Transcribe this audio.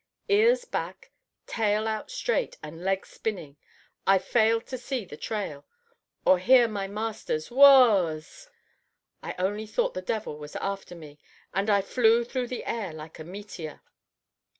Ears back, tail out straight, and legs spinning, I failed to see the trail, or hear my master's "Whoas!" I only thought the devil was after me, and flew through the air like a meteor.